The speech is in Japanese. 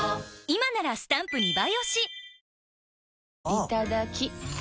いただきっ！